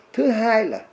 thứ hai là